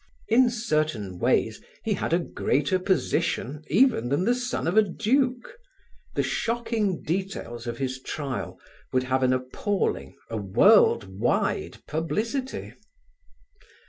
In certain ways he had a greater position than even the son of a duke: the shocking details of his trial would have an appalling, a world wide publicity.